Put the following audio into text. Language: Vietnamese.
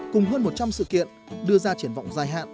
cùng hơn một trăm linh sự kiện đưa ra triển vọng dài hạn